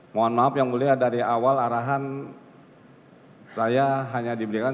mohon maaf yang mulia dari awal arahan saya hanya diberikan